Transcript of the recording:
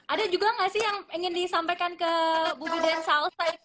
ada juga nggak sih yang ingin disampaikan ke bubit dan salsa